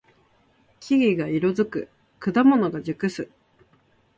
木々が色づく。果物が熟す。